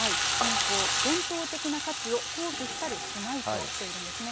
こう、伝統的な価値を、放棄したりしないとしているんですね。